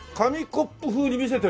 コップ風に見せてる。